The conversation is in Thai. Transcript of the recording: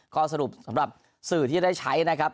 ข้อสรุปสำหรับสื่อที่จะได้ใช้นะครับ